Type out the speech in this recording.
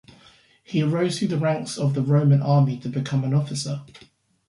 He rose through the ranks of the Roman army to become an officer.